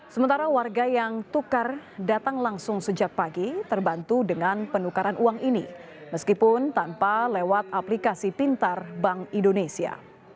sementara warga yang tukar datang langsung sejak pagi terbantu dengan penukaran uang ini meskipun tanpa lewat aplikasi pintar bank indonesia